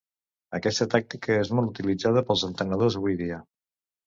Aquesta tàctica és molt utilitzada pels entrenadors avui dia.